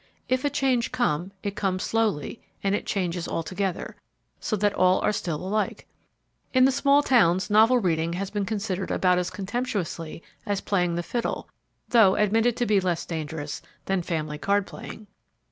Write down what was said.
If a change come, it comes slowly and it changes all together, so that all are still alike. In the small towns novel reading has been considered about as contemptuously as playing the fiddle, though admitted to be less dangerous than family card playing.